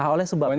oleh sebab itu